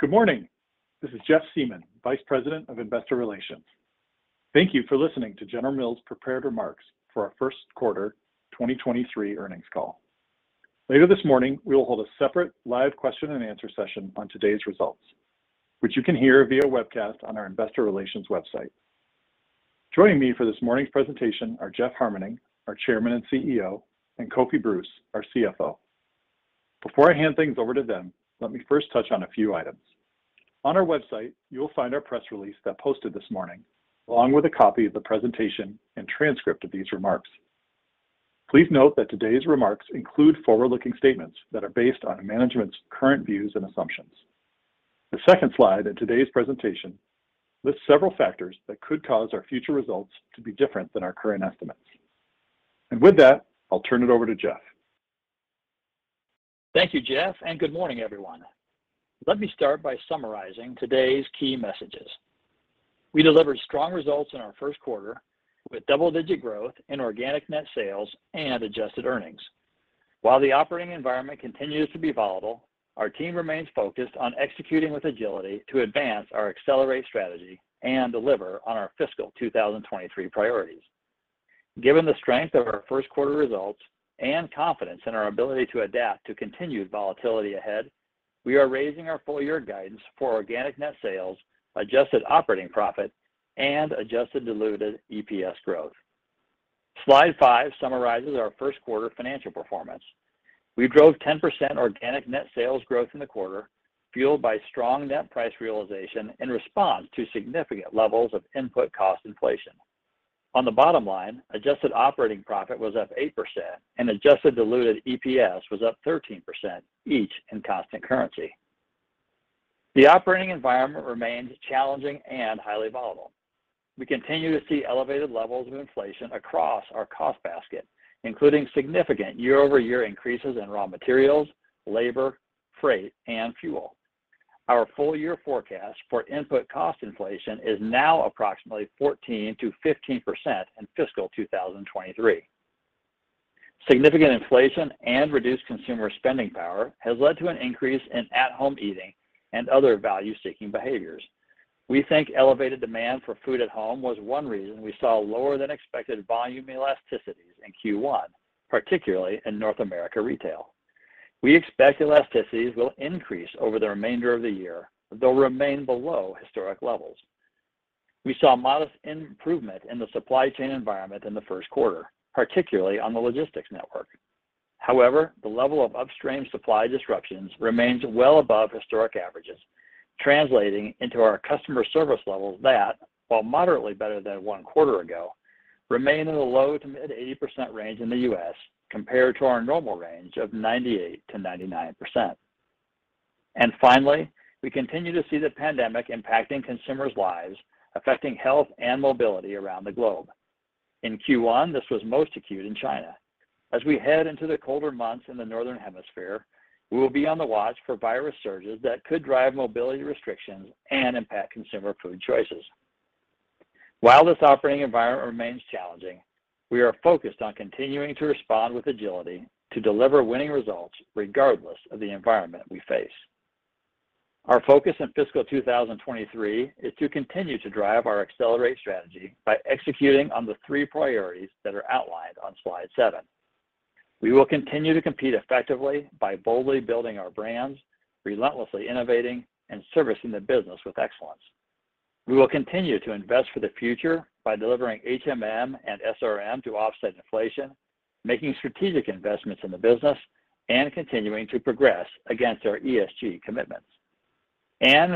Good morning. This is Jeff Siemon, Vice President of Investor Relations. Thank you for listening to General Mills' prepared remarks for our Q1 2023 earnings call. Later this morning, we will hold a separate live question and answer session on today's results, which you can hear via webcast on our investor relations website. Joining me for this morning's presentation are Jeff Harmening, our Chairman and CEO, and Kofi Bruce, our CFO. Before I hand things over to them, let me first touch on a few items. On our website, you will find our press release that posted this morning, along with a copy of the presentation and transcript of these remarks. Please note that today's remarks include forward-looking statements that are based on management's current views and assumptions. The second slide in today's presentation lists several factors that could cause our future results to be different than our current estimates. With that, I'll turn it over to Jeff. Thank you, Jeff, and good morning, everyone. Let me start by summarizing today's key messages. We delivered strong results in our Q1 with double-digit growth in organic net sales and adjusted earnings. While the operating environment continues to be volatile, our team remains focused on executing with agility to advance our Accelerate strategy and deliver on our fiscal 2023 priorities. Given the strength of our Q1 results and confidence in our ability to adapt to continued volatility ahead, we are raising our full year guidance for organic net sales, adjusted operating profit, and adjusted diluted EPS growth. Slide five summarizes our Q1 financial performance. We drove 10% organic net sales growth in the quarter, fueled by strong net price realization in response to significant levels of input cost inflation. On the bottom line, adjusted operating profit was up 8% and adjusted diluted EPS was up 13%, each in constant currency. The operating environment remains challenging and highly volatile. We continue to see elevated levels of inflation across our cost basket, including significant year-over-year increases in raw materials, labor, freight, and fuel. Our full year forecast for input cost inflation is now approximately 14%-15% in fiscal 2023. Significant inflation and reduced consumer spending power has led to an increase in at-home eating and other value-seeking behaviors. We think elevated demand for food at home was one reason we saw lower than expected volume elasticities in Q1, particularly in North America retail. We expect elasticities will increase over the remainder of the year, though remain below historic levels. We saw modest improvement in the supply chain environment in the Q1, particularly on the logistics network. However, the level of upstream supply disruptions remains well above historic averages, translating into our customer service levels that, while moderately better than one quarter ago, remain in the low to mid-80% range in the U.S. compared to our normal range of 98%-99%. Finally, we continue to see the pandemic impacting consumers' lives, affecting health and mobility around the globe. In Q1, this was most acute in China. As we head into the colder months in the Northern Hemisphere, we will be on the watch for virus surges that could drive mobility restrictions and impact consumer food choices. While this operating environment remains challenging, we are focused on continuing to respond with agility to deliver winning results regardless of the environment we face. Our focus in fiscal 2023 is to continue to drive our accelerate strategy by executing on the three priorities that are outlined on slide seven. We will continue to compete effectively by boldly building our brands, relentlessly innovating, and servicing the business with excellence. We will continue to invest for the future by delivering HMM and SRM to offset inflation, making strategic investments in the business, and continuing to progress against our ESG commitments.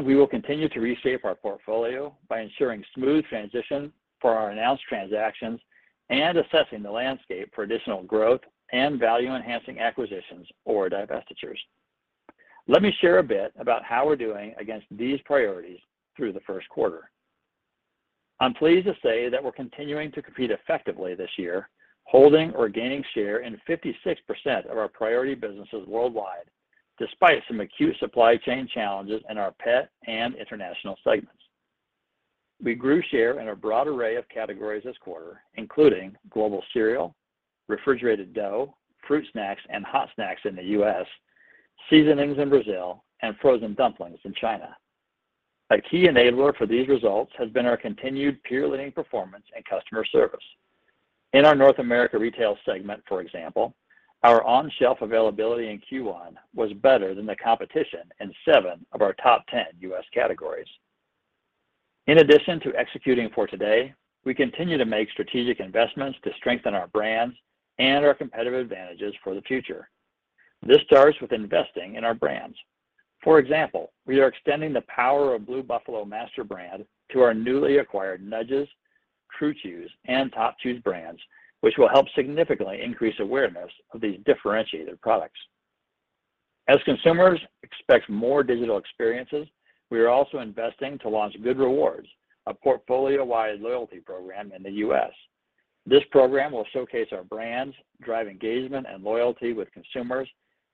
We will continue to reshape our portfolio by ensuring smooth transition for our announced transactions and assessing the landscape for additional growth and value-enhancing acquisitions or divestitures. Let me share a bit about how we're doing against these priorities through the Q1. I'm pleased to say that we're continuing to compete effectively this year, holding or gaining share in 56% of our priority businesses worldwide, despite some acute supply chain challenges in our pet and international segments. We grew share in a broad array of categories this quarter, including global cereal, refrigerated dough, fruit snacks, and hot snacks in the U.S., seasonings in Brazil, and frozen dumplings in China. A key enabler for these results has been our continued peer-leading performance and customer service. In our North America Retail segment, for example, our on-shelf availability in Q1 was better than the competition in seven of our top 10 U.S. categories. In addition to executing for today, we continue to make strategic investments to strengthen our brands and our competitive advantages for the future. This starts with investing in our brands. For example, we are extending the power of Blue Buffalo master brand to our newly acquired Nudges, True Chews, and Top Chews brands, which will help significantly increase awareness of these differentiated products. As consumers expect more digital experiences, we are also investing to launch Good Rewards, a portfolio-wide loyalty program in the US. This program will showcase our brands, drive engagement and loyalty with consumers,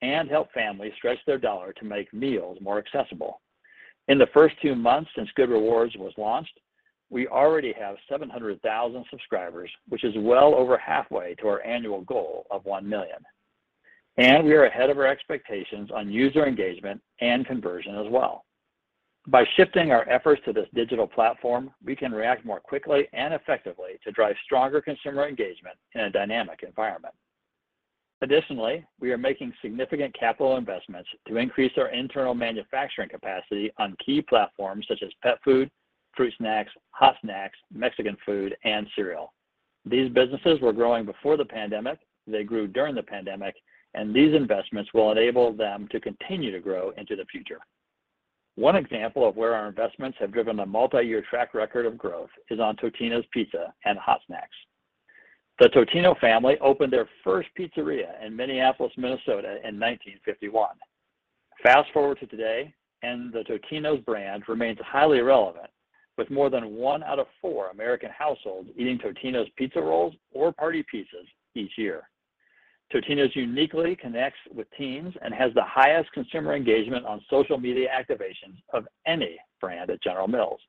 and help families stretch their dollar to make meals more accessible. In the first two months since Good Rewards was launched, we already have 700,000 subscribers, which is well over halfway to our annual goal of 1,000,000. We are ahead of our expectations on user engagement and conversion as well. By shifting our efforts to this digital platform, we can react more quickly and effectively to drive stronger consumer engagement in a dynamic environment. Additionally, we are making significant capital investments to increase our internal manufacturing capacity on key platforms such as pet food, fruit snacks, hot snacks, Mexican food, and cereal. These businesses were growing before the pandemic, they grew during the pandemic, and these investments will enable them to continue to grow into the future. One example of where our investments have driven a multi-year track record of growth is on Totino's Pizza and Hot Snacks. The Totino family opened their first pizzeria in Minneapolis, Minnesota, in 1951. Fast-forward to today, and the Totino's brand remains highly relevant, with more than 1/4 American households eating Totino's pizza rolls or party pizzas each year. Totino's uniquely connects with teens and has the highest consumer engagement on social media activations of any brand at General Mills.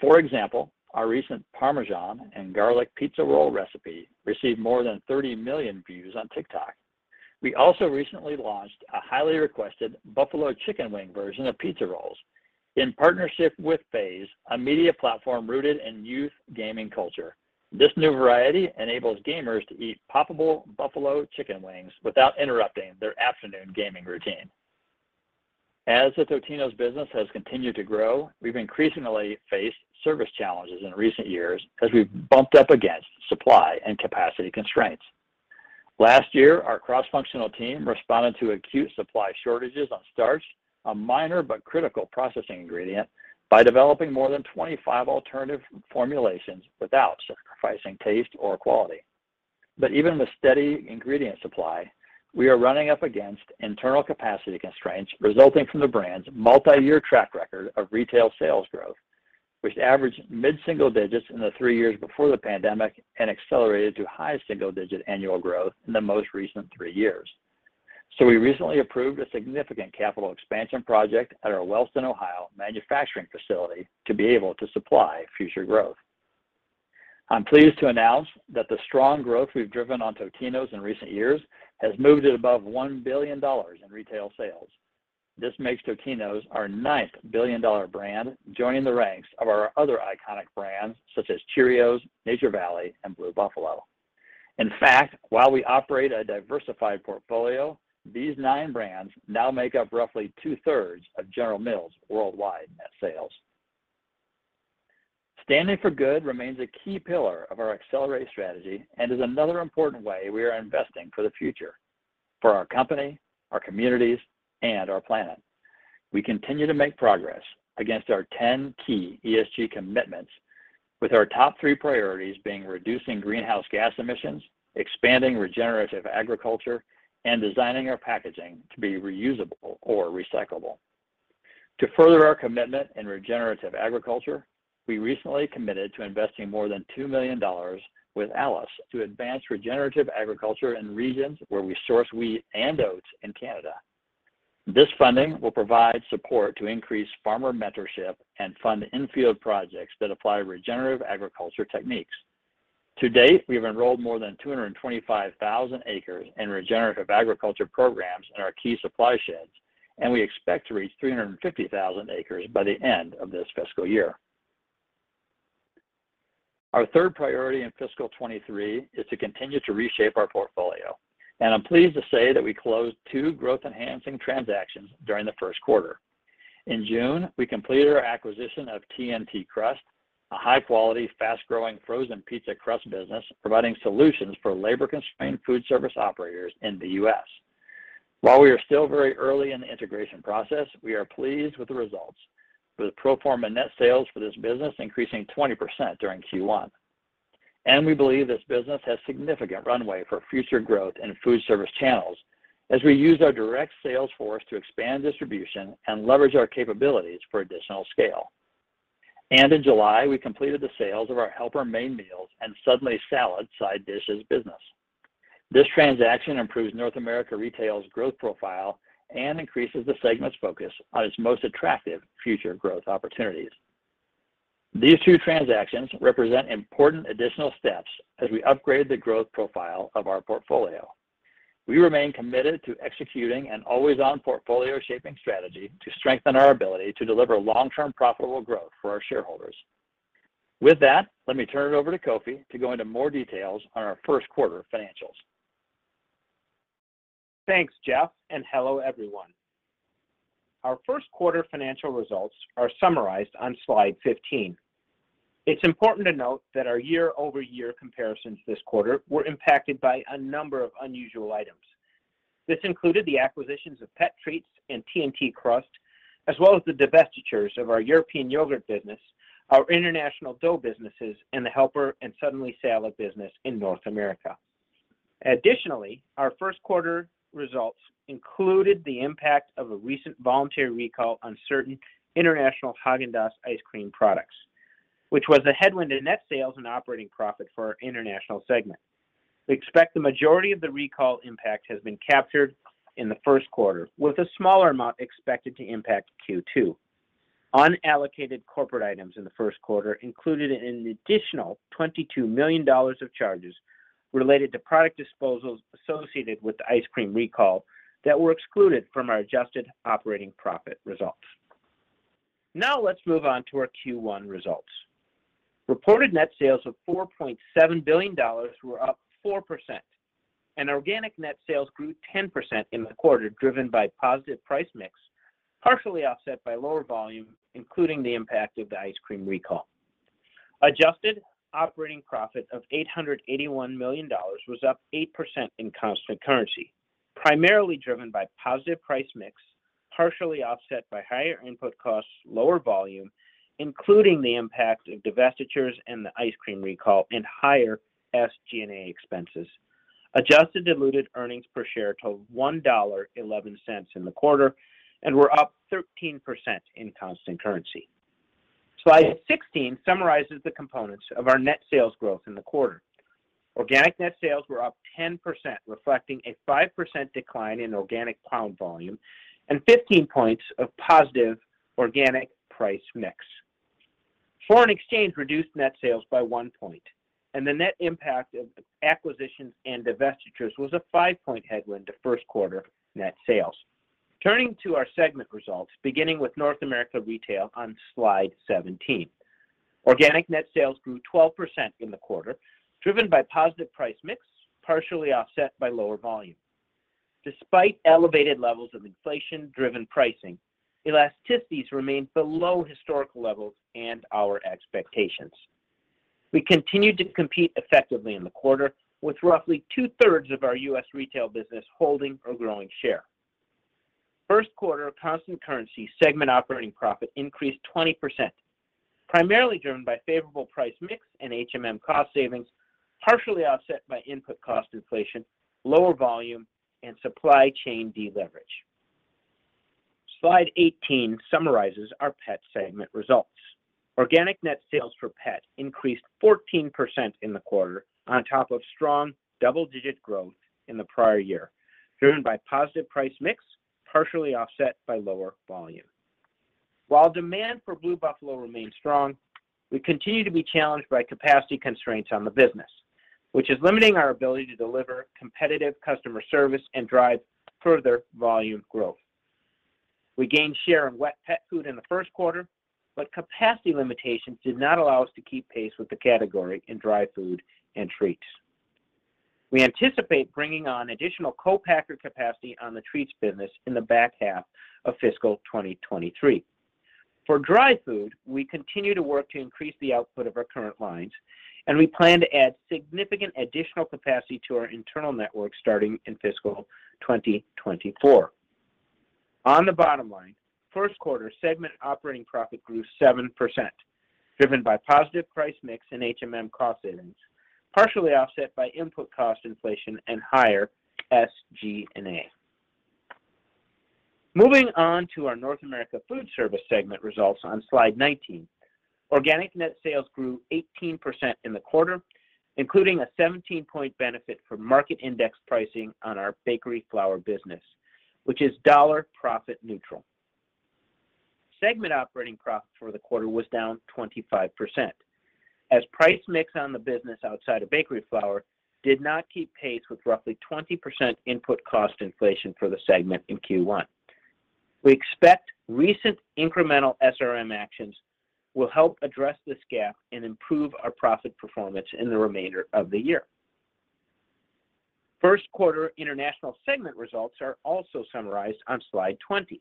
For example, our recent Parmesan and garlic pizza roll recipe received more than 30 million views on TikTok. We also recently launched a highly requested Buffalo chicken wing version of pizza rolls in partnership with FaZe Clan, a media platform rooted in youth gaming culture. This new variety enables gamers to eat poppable Buffalo chicken wings without interrupting their afternoon gaming routine. As the Totino's business has continued to grow, we've increasingly faced service challenges in recent years as we've bumped up against supply and capacity constraints. Last year, our cross-functional team responded to acute supply shortages on starch, a minor but critical processing ingredient, by developing more than 25 alternative formulations without sacrificing taste or quality. Even with steady ingredient supply, we are running up against internal capacity constraints resulting from the brand's multi-year track record of retail sales growth, which averaged mid-single digits in the three years before the pandemic and accelerated to high single-digit annual growth in the most recent three years. We recently approved a significant capital expansion project at our Wellston, Ohio, manufacturing facility to be able to supply future growth. I'm pleased to announce that the strong growth we've driven on Totino's in recent years has moved it above $1 billion in retail sales. This makes Totino's our ninth billion-dollar brand, joining the ranks of our other iconic brands, such as Cheerios, Nature Valley, and Blue Buffalo. In fact, while we operate a diversified portfolio, these nine brands now make up roughly two-thirds of General Mills' worldwide net sales. Standing for good remains a key pillar of our accelerated strategy and is another important way we are investing for the future for our company, our communities, and our planet. We continue to make progress against our 10 key ESG commitments, with our top three priorities being reducing greenhouse gas emissions, expanding regenerative agriculture, and designing our packaging to be reusable or recyclable. To further our commitment in regenerative agriculture, we recently committed to investing more than $2 million with ALUS to advance regenerative agriculture in regions where we source wheat and oats in Canada. This funding will provide support to increase farmer mentorship and fund in-field projects that apply regenerative agriculture techniques. To date, we have enrolled more than 225,000 acres in regenerative agriculture programs in our key supply sheds, and we expect to reach 350,000 acres by the end of this fiscal year. Our third priority in fiscal 2023 is to continue to reshape our portfolio, and I'm pleased to say that we closed two growth-enhancing transactions during the Q1. In June, we completed our acquisition of TNT Crust, a high-quality, fast-growing frozen pizza crust business providing solutions for labor-constrained food service operators in the U.S. While we are still very early in the integration process, we are pleased with the results, with pro forma net sales for this business increasing 20% during Q1. We believe this business has significant runway for future growth in food service channels as we use our direct sales force to expand distribution and leverage our capabilities for additional scale. In July, we completed the sales of our Helper main meals and Suddenly Salad side dishes business. This transaction improves North America Retail's growth profile and increases the segment's focus on its most attractive future growth opportunities. These two transactions represent important additional steps as we upgrade the growth profile of our portfolio. We remain committed to executing an always-on portfolio shaping strategy to strengthen our ability to deliver long-term profitable growth for our shareholders. With that, let me turn it over to Kofi to go into more details on our Q1 financials. Thanks, Jeff, and hello, everyone. Our Q1 financial results are summarized on slide 15. It's important to note that our year-over-year comparisons this quarter were impacted by a number of unusual items. This included the acquisitions of Tyson's Pet Treats and TNT Crust, as well as the divestitures of our European yogurt business, our international dough businesses, and the Helper and Suddenly Salad business in North America. Additionally, our Q1 results included the impact of a recent voluntary recall on certain international Häagen-Dazs ice cream products, which was a headwind in net sales and operating profit for our international segment. We expect the majority of the recall impact has been captured in the Q1, with a smaller amount expected to impact Q2. Unallocated corporate items in the Q1 included an additional $22 million of charges related to product disposals associated with the ice cream recall that were excluded from our adjusted operating profit results. Now let's move on to our Q1 results. Reported net sales of $4.7 billion were up 4%, and organic net sales grew 10% in the quarter, driven by positive price mix, partially offset by lower volume, including the impact of the ice cream recall. Adjusted operating profit of $881 million was up 8% in constant currency, primarily driven by positive price mix, partially offset by higher input costs, lower volume, including the impact of divestitures and the ice cream recall, and higher SG&A expenses. Adjusted diluted earnings per share totaled $1.11 in the quarter and were up 13% in constant currency. Slide 16 summarizes the components of our net sales growth in the quarter. Organic net sales were up 10%, reflecting a 5% decline in organic pound volume and 15 points of positive organic price mix. Foreign exchange reduced net sales by one point, and the net impact of acquisitions and divestitures was a five-point headwind to Q1 net sales. Turning to our segment results, beginning with North America Retail on slide 17. Organic net sales grew 12% in the quarter, driven by positive price mix, partially offset by lower volume. Despite elevated levels of inflation-driven pricing, elasticities remained below historical levels and our expectations. We continued to compete effectively in the quarter, with roughly two-thirds of our U.S. retail business holding or growing share. Q1 constant currency segment operating profit increased 20%, primarily driven by favorable price mix and HMM cost savings, partially offset by input cost inflation, lower volume, and supply chain deleverage. Slide 18 summarizes our pet segment results. Organic net sales for pet increased 14% in the quarter on top of strong double-digit growth in the prior year, driven by positive price mix, partially offset by lower volume. While demand for Blue Buffalo remains strong, we continue to be challenged by capacity constraints on the business, which is limiting our ability to deliver competitive customer service and drive further volume growth. We gained share in wet pet food in the Q1, but capacity limitations did not allow us to keep pace with the category in dry food and treats. We anticipate bringing on additional co-packer capacity on the treats business in the back half of fiscal 2023. For dry food, we continue to work to increase the output of our current lines, and we plan to add significant additional capacity to our internal network starting in fiscal 2024. On the bottom line, Q1 segment operating profit grew 7%, driven by positive price mix and HMM cost savings, partially offset by input cost inflation and higher SG&A. Moving on to our North America Foodservice segment results on slide 19. Organic net sales grew 18% in the quarter, including a 17-point benefit from market index pricing on our bakery flour business, which is dollar profit neutral. Segment operating profit for the quarter was down 25%, as price mix on the business outside of bakery flour did not keep pace with roughly 20% input cost inflation for the segment in Q1. We expect recent incremental SRM actions will help address this gap and improve our profit performance in the remainder of the year. Q1 international segment results are also summarized on slide 20.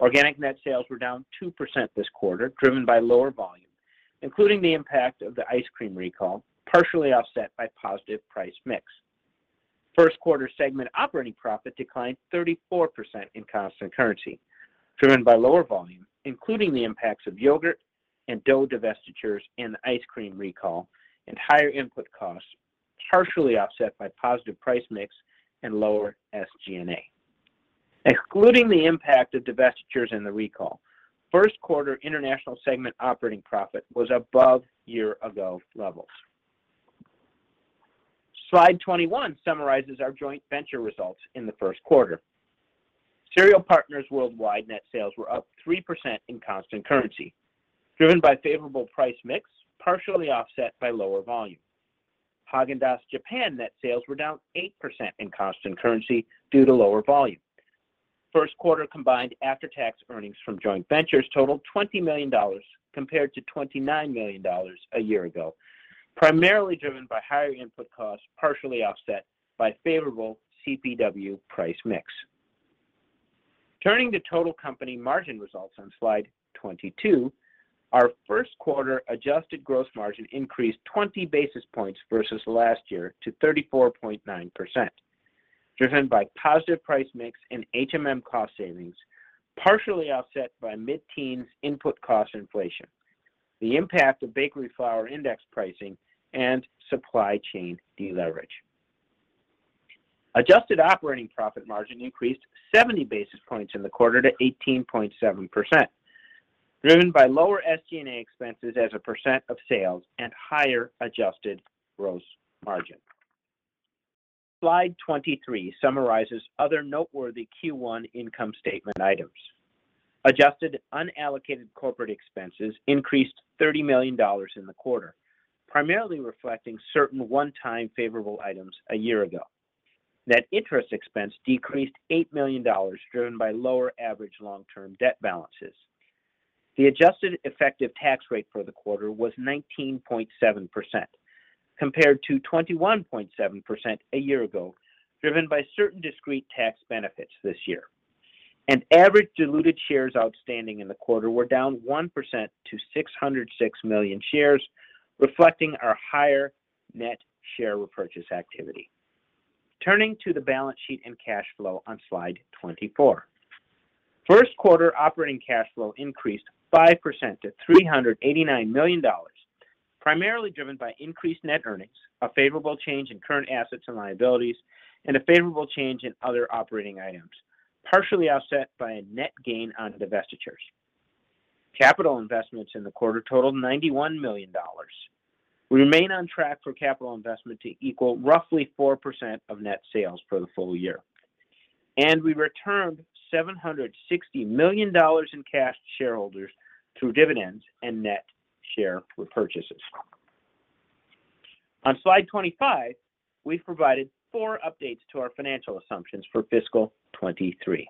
Organic net sales were down 2% this quarter, driven by lower volume, including the impact of the ice cream recall, partially offset by positive price mix. Q1 segment operating profit declined 34% in constant currency, driven by lower volume, including the impacts of yogurt and dough divestitures and the ice cream recall and higher input costs, partially offset by positive price mix and lower SG&A. Excluding the impact of divestitures and the recall, Q1 international segment operating profit was above year-ago levels. Slide 21 summarizes our joint venture results in the Q1. Cereal Partners Worldwide net sales were up 3% in constant currency, driven by favorable price mix, partially offset by lower volume. Häagen-Dazs Japan net sales were down 8% in constant currency due to lower volume. Q1 combined after-tax earnings from joint ventures totaled $20 million compared to $29 million a year ago, primarily driven by higher input costs, partially offset by favorable CPW price mix. Turning to total company margin results on slide 22, our Q1 adjusted gross margin increased 20 basis points versus last year to 34.9%, driven by positive price mix and HMM cost savings, partially offset by mid-teens input cost inflation, the impact of bakery flour index pricing, and supply chain deleverage. Adjusted operating profit margin increased 70 basis points in the quarter to 18.7%, driven by lower SG&A expenses as a percent of sales and higher adjusted gross margin. Slide 23 summarizes other noteworthy Q1 income statement items. Adjusted unallocated corporate expenses increased $30 million in the quarter, primarily reflecting certain one-time favorable items a year ago. Net interest expense decreased $8 million, driven by lower average long-term debt balances. The adjusted effective tax rate for the quarter was 19.7% compared to 21.7% a year ago, driven by certain discrete tax benefits this year. Average diluted shares outstanding in the quarter were down 1% to 606 million shares, reflecting our higher net share repurchase activity. Turning to the balance sheet and cash flow on slide 24. Q1 operating cash flow increased 5% to $389 million, primarily driven by increased net earnings, a favorable change in current assets and liabilities, and a favorable change in other operating items, partially offset by a net gain on divestitures. Capital investments in the quarter totaled $91 million. We remain on track for capital investment to equal roughly 4% of net sales for the full year. We returned $760 million in cash to shareholders through dividends and net share repurchases. On slide 25, we've provided four updates to our financial assumptions for fiscal 2023.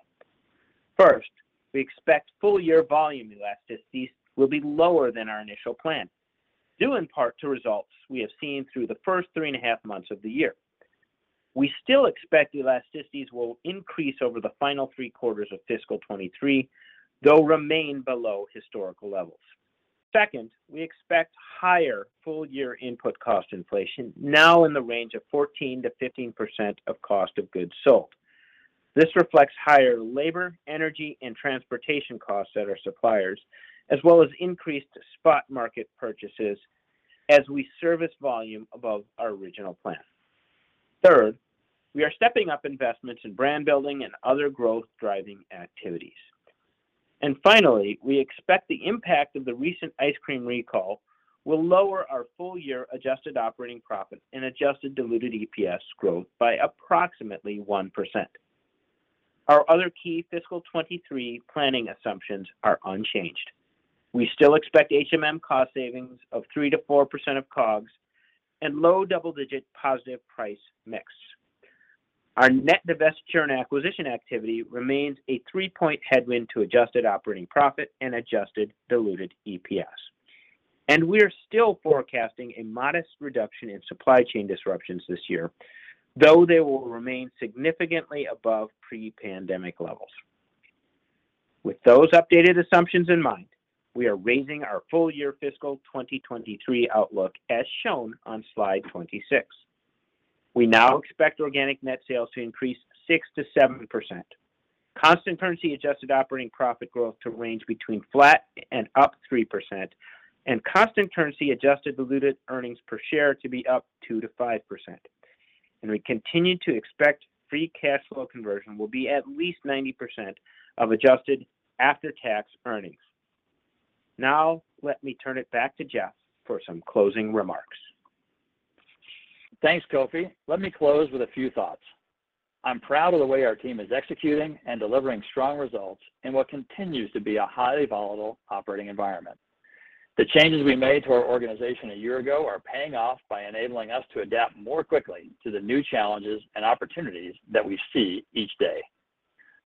First, we expect full year volume elasticities will be lower than our initial plan, due in part to results we have seen through the first three and a half months of the year. We still expect elasticities will increase over the final three quarters of fiscal 2023, though remain below historical levels. Second, we expect higher full-year input cost inflation now in the range of 14%-15% of cost of goods sold. This reflects higher labor, energy, and transportation costs at our suppliers, as well as increased spot market purchases as we service volume above our original plan. Third, we are stepping up investments in brand building and other growth-driving activities. Finally, we expect the impact of the recent ice cream recall will lower our full year adjusted operating profit and adjusted diluted EPS growth by approximately 1%. Our other key fiscal 2023 planning assumptions are unchanged. We still expect HMM cost savings of 3%-4% of COGS and low double-digit positive price mix. Our net divestiture and acquisition activity remains a three-point headwind to adjusted operating profit and adjusted diluted EPS. We're still forecasting a modest reduction in supply chain disruptions this year, though they will remain significantly above pre-pandemic levels. With those updated assumptions in mind, we are raising our full year fiscal 2023 outlook as shown on slide 26. We now expect organic net sales to increase 6%-7%, constant currency adjusted operating profit growth to range between flat and up 3%, and constant currency adjusted diluted earnings per share to be up 2%-5%. We continue to expect free cash flow conversion will be at least 90% of adjusted after-tax earnings. Now let me turn it back to Jeff for some closing remarks. Thanks, Kofi. Let me close with a few thoughts. I'm proud of the way our team is executing and delivering strong results in what continues to be a highly volatile operating environment. The changes we made to our organization a year ago are paying off by enabling us to adapt more quickly to the new challenges and opportunities that we see each day.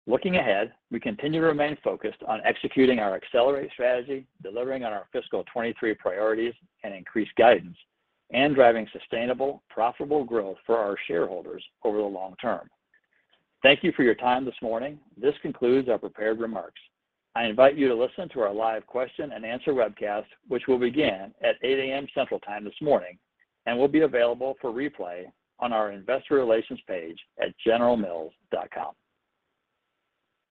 Looking ahead, we continue to remain focused on executing our Accelerate Strategy, delivering on our fiscal 2023 priorities and increased guidance, and driving sustainable, profitable growth for our shareholders over the long term. Thank you for your time this morning. This concludes our prepared remarks. I invite you to listen to our live question and answer webcast, which will begin at 8:00 A.M. Central Time this morning and will be available for replay on our investor relations page at generalmills.com.